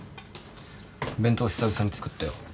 弁当久々に作ったよ。